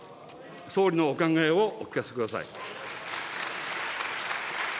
総理のお考えをお聞かせください。